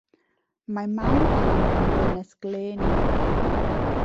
Mae mam Anne yn ddynes glên iawn.